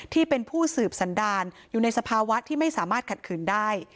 ที่เป็นผู้สืบสันดารอยู่ในสภาวะที่ไม่สามารถขัดขืนได้